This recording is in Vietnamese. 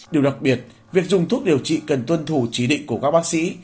điều đặc biệt việc dùng thuốc điều trị cần tuân thủ chỉ định của các bác sĩ